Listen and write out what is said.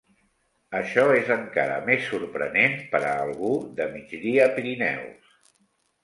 Això és encara més sorprenent per a algú de Migdia-Pirineus.